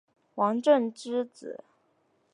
王震之子。